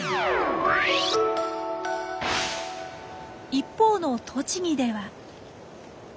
一方の栃木では。